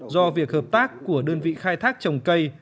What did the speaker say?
do việc hợp tác của đơn vị khai thác trồng cây